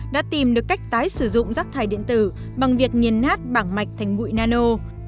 đã tìm được cách tái sử dụng rác thải điện tử bằng việc nghiền nát bảng mạch thành bụi nano